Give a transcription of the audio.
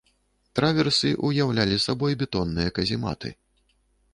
Траверсы ўяўлялі сабой бетонныя казематы.